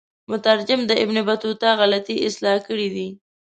مترجم د ابن بطوطه غلطی اصلاح کړي دي.